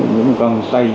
những cơ quan tay